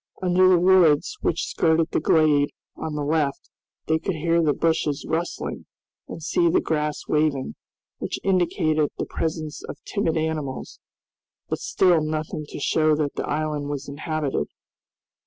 Under the woods which skirted the glade on the left they could hear the bushes rustling and see the grass waving, which indicated the presence of timid animals, but still nothing to show that the island was inhabited.